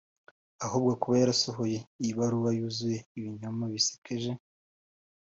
Ahubwo kuba yarasohoye iyi baruwa yuzuye ibinyoma bisekeje